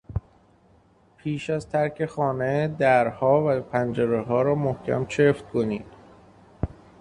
پیش از ترک خانه درها و پنجرهها را محکم چفت کنید.